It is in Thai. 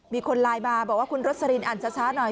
มีคนไลน์มาบอกว่าคุณรสลินอ่านช้าหน่อย